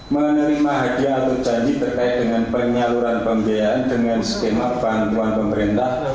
menerima hadiah atau janji terkait dengan penyaluran pembiayaan dengan skema bantuan pemerintah